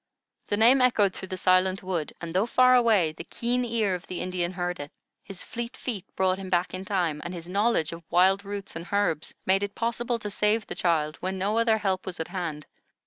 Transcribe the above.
The name echoed through the silent wood, and, though far away, the keen ear of the Indian heard it, his fleet feet brought him back in time, and his knowledge of wild roots and herbs made it possible to save the child when no other help was at hand.